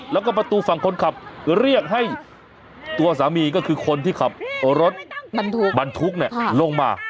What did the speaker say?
แล้วก็ประตูฝั่งคนขับเรียกให้ตัวสามีก็คือคนที่ขับรถบรรทุกลงมา